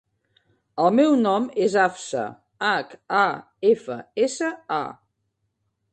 El meu nom és Hafsa: hac, a, efa, essa, a.